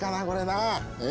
これなあ。